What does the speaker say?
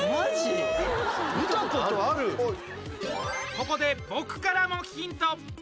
ここで僕からもヒント。